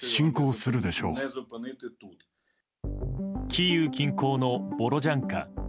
キーウ近郊のボロジャンカ。